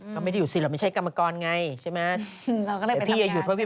ก็ไม่ได้อยู่สิเราไม่ใช่กรรมกรไงใช่ไหม